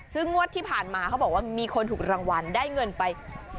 ซึ่งงวดที่ผ่านมาเขาบอกว่ามีคนถูกรางวัลได้เงินไป